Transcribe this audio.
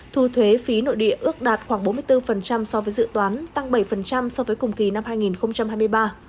thu thuế phí nội địa ước đạt khoảng bốn mươi bốn so với dự toán tăng bảy so với cùng kỳ năm hai nghìn hai mươi ba